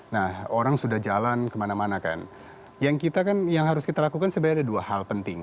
nah orang sudah jalan kemana mana kan yang harus kita lakukan sebenarnya ada dua hal penting